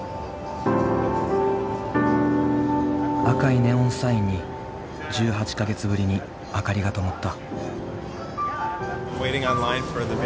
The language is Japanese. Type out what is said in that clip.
赤いネオンサインに１８か月ぶりに明かりが灯った。